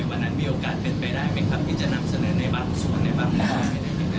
ว่ามีโอกาสเป็นไปได้มั้ยครับที่จะนำเสนอในบางส่วนในบางบรรค